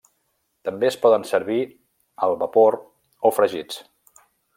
També es poden servir al vapor o fregits.